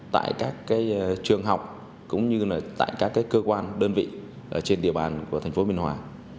tại các trường học cũng như tại các cơ quan đơn vị trên địa bàn của thành phố biên hòa